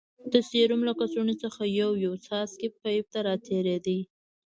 د سيروم له کڅوړې څخه يو يو څاڅکى پيپ ته راتېرېده.